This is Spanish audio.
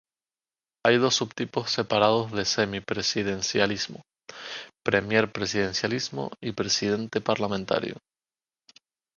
Hay dos subtipos separados de semi-presidencialismo: premier-presidencialismo y presidente-parlamentario.